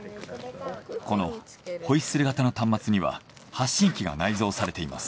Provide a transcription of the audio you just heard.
このホイッスル型の端末には発信機が内蔵されています。